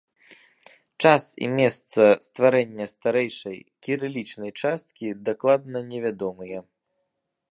Час і месца стварэння старэйшай, кірылічнай часткі дакладна невядомыя.